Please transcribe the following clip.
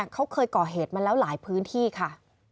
เขาเคยก่อเหตุมาแล้วหลายพื้นที่ค่ะ